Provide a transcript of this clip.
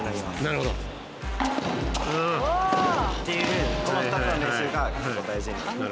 なるほど。っていうこの２つの練習が結構大事になります。